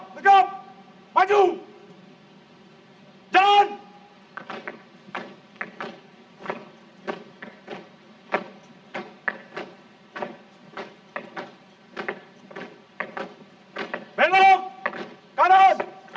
kembali ke tempat